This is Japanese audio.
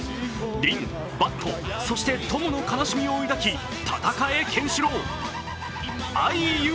リン、バット、そして友の悲しみを抱き闘えケンシロウ！